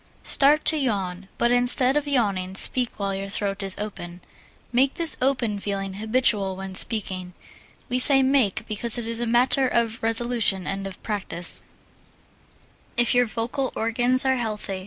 Start to yawn, but instead of yawning, speak while your throat is open. Make this open feeling habitual when speaking we say make because it is a matter of resolution and of practise, if your vocal organs are healthy.